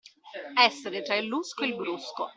Essere tra il lusco e il brusco.